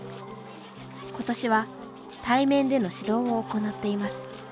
ことしは対面での指導を行っています。